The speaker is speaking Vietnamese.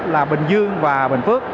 là bình dương và bình phước